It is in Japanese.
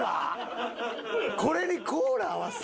これにコーラ合わす？